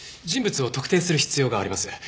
人物を特定する必要があります。